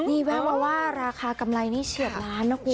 นี่แวะมาว่าราคากำไรนี้เฉียบล้านนะคุณ